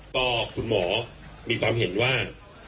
ก็คุณหมอมีความเห็นว่า